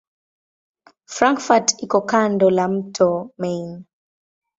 Frankfurt iko kando la mto Main.